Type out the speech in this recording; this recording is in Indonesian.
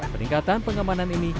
peningkatan pengamanan ini